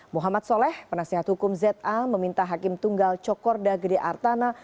muhammad soleh penasihat hukum z a meminta hakim tunggal cokorda gede artana